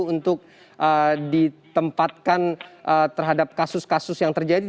untuk ditempatkan terhadap kasus kasus yang terjadi